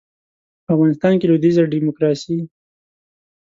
په افغانستان کې لویدیځه ډیموکراسي